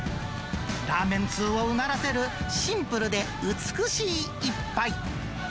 ラーメン通をうならせる、シンプルで美しい一杯。